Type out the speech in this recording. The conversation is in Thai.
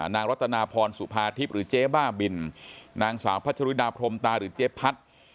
นางรัตนาพรสุภาทิพย์หรือเจ๊บ้าบินนางสาวพัชรุดาพรมตาหรือเจ๊พัด